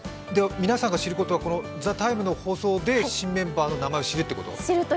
皆さんが知ることは「ＴＨＥＴＩＭＥ，」の放送で新メンバーの名前を知るってこと？